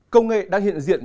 công nghệ đang hiện diện